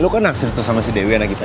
lu kan naksir tuh sama si dewi anak kita